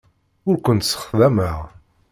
Ur kent-ssexdameɣ.